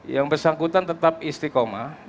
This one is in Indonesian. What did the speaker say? yang bersangkutan tetap istiqomah